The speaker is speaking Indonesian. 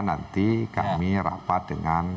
nanti kami rapat dengan